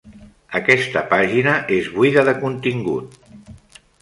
Aquesta pàgina és buida de contingut.